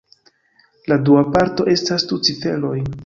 La dua parto estas du ciferoj.